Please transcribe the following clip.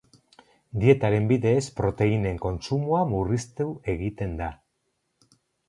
Dietaren bidez proteinen kontsumoa murriztu egiten da.